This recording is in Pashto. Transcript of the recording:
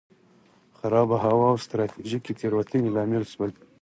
خرابه هوا او ستراتیژیکې تېروتنې لامل شول.